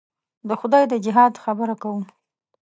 د خدای د جهاد خبره کوو.